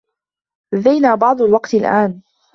لدينا بعض الوقت الآن.